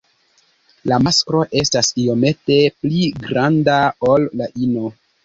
La masklo estas iomete pli granda ol la ino.